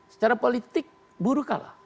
secara politik buruh kalah